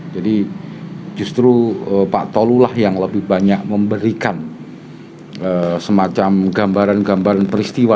jadi justru pak tolu lah yang lebih banyak memberikan semacam gambaran gambaran peristiwa